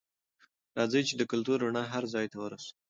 راځئ چې د کلتور رڼا هر ځای ته ورسوو.